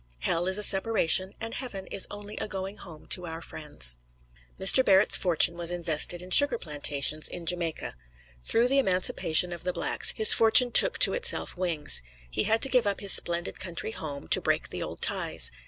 Hell is a separation, and Heaven is only a going home to our friends. Mr. Barrett's fortune was invested in sugar plantations in Jamaica. Through the emancipation of the blacks his fortune took to itself wings. He had to give up his splendid country home to break the old ties.